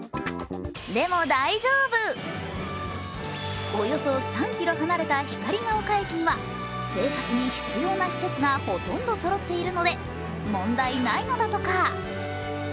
でも、大丈夫およそ３ｋｍ離れた光が丘駅には生活に必要な施設がほとんどそろっているので問題ないのだとか。